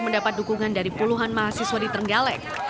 mendapat dukungan dari puluhan mahasiswa di trenggalek